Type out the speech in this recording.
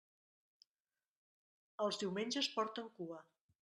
Els diumenges porten cua.